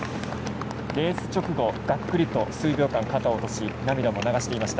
レース直後がっくり肩を落とし涙も流していました。